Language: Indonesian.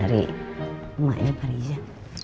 dari emaknya pariza